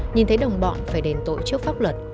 nhìn thấy đồng bọn phải đền tội trước pháp luật